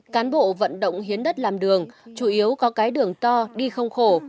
cán bộ vận động hiến đất làm đường chủ yếu có cái đường to đi không khổ